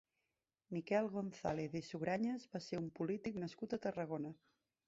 Miquel González i Sugranyes va ser un polític nascut a Tarragona.